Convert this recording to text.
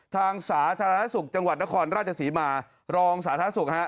สาธารณสุขจังหวัดนครราชศรีมารองสาธารณสุขฮะ